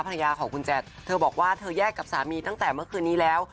ภรรยาของคุณแจ๊คเธอบอกว่าเธอแยกกับสามีตั้งแต่เมื่อคืนนี้แล้ว